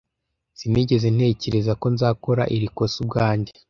Sinigeze ntekereza ko nzakora iri kosa ubwanjye.